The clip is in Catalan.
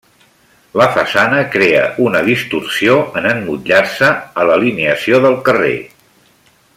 La façana crea una distorsió en emmotllar-se a l'alineació del carrer.